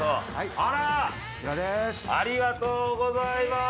ありがとうございます！